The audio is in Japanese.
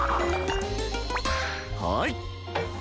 はい！